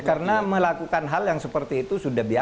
karena melakukan hal yang seperti itu